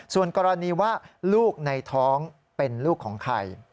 ส่วนกรณีว่าลูกในท้องเป็นลูกของใคร